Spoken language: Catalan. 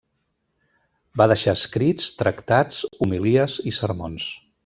Va deixar escrits tractats, homilies i sermons.